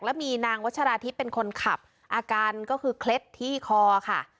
แล้วมีนางวัชราธิบเป็นคนขับอาการก็คือเคล็ดที่คอค่ะ